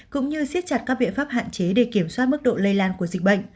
cũng như siết chặt các biện pháp hạn chế để kiểm soát mức độ lây lan của dịch bệnh